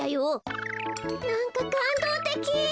なんかかんどうてき！